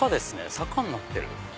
坂になってる。